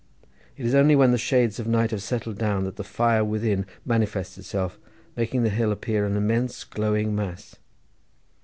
It is only when the shades of night have settled down that the fire within manifests itself, making the hill appear an immense glowing mass.